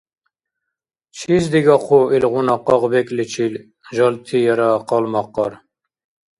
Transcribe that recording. Чис дигахъу илгъуна къагъбекӀличил жалти яра къалмакъар?